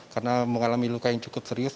karena mengalami luka yang cukup serius